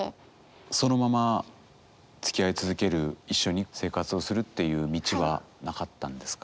そのままつきあい続ける一緒に生活をするっていう道はなかったんですか？